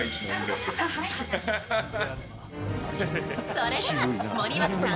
それでは森脇さん